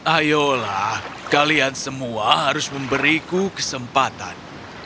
ayolah kalian semua harus memberiku kesempatan